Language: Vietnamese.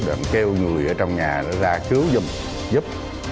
đang kêu người ở trong nhà ra cứu giúp